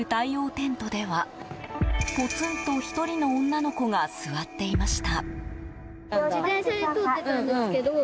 テントではポツンと１人の女の子が座っていました。